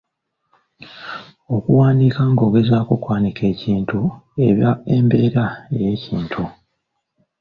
Okuwandiika ng’ogezaako kwanika ekintu eba embeera y’ekintu.